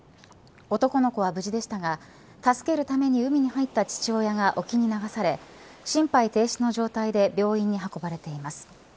男の子は無事でしたが助けるために海に入った父親が沖に流され心肺停止の状態で病院に運ばれています。